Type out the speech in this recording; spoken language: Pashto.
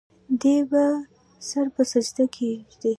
دے به سر پۀ سجده کيږدي